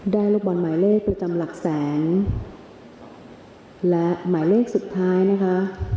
ลูกบอลหมายเลขประจำหลักแสนและหมายเลขสุดท้ายนะคะ